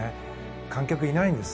観客いないんです。